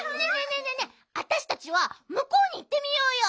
あたしたちはむこうにいってみようよ。